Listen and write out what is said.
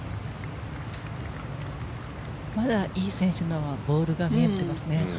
まだイ選手のボールが見えていますね。